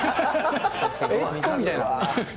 えっと、みたいな。